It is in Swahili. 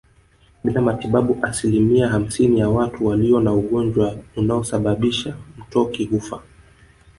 Bila matibabu asilimia hamsini ya watu walio na ugonjwa unaosababisha mtoki hufa